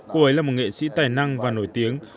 cô ấy là một nghệ sĩ tài năng và nổi tiếng